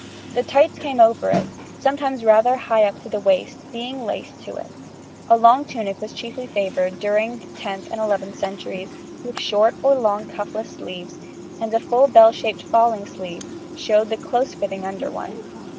The tights came over it, sometimes rather high up the waist, being laced to it. A long tunic was chiefly favoured during the 10th and 11th centuries with short or long cuffless sleeves, and a full bell shaped falling sleeve showed a close fitting under one.